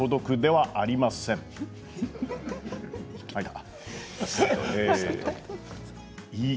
はい。